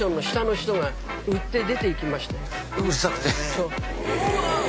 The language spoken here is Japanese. そう。